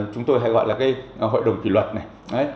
chúng tôi hay gọi là cái hội đồng kỷ luật này